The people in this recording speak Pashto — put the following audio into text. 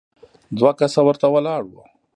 دوه کسه ورته ولاړ وو.